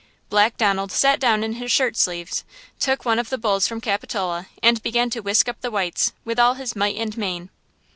Black Donald sat down in his shirt sleeves, took one of the bowls from Capitola and began to whisk up the whites with all his might and main.